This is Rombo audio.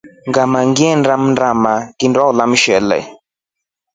Ngama ngilinda mndana nginola mshele.